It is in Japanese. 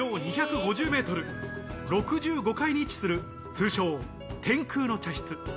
地上２５０ｍ、６５階に位置する通称・天空の茶室。